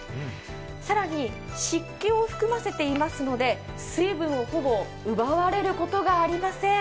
更に湿気を含ませていますので、水分をほぼ奪われることがありません。